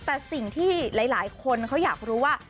แต่สิ่งที่หลายคนเขาอยากรู้ว่า